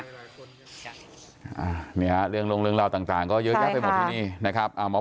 อ่าเนี่ยเรื่องเรื่องเรื่องเล่าต่างต่างก็เยอะแค่ไปหมดที่นี่นะครับใช่ค่ะ